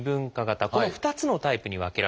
この２つのタイプに分けられます。